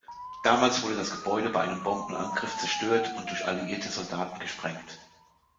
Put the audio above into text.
Damals wurde das Gebäude bei einem Bombenangriff zerstört oder durch alliierte Soldaten gesprengt.